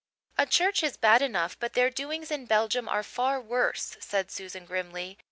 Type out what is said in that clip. "A church is bad enough but their doings in Belgium are far worse," said Susan grimly.